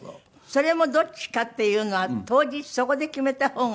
それもどっちかっていうのは当日そこで決めた方がいいって。